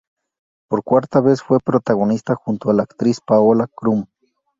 Por cuarta vez fue protagonista junto a la actriz Paola Krum.